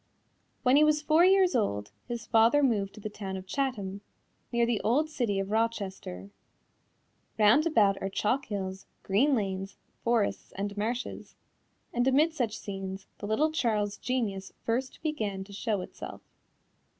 When he was four years old, his father moved to the town of Chatham, near the old city of Rochester. Round about are chalk hills, green lanes, forests and marshes, and amid such scenes the little Charles's genius first began to show itself.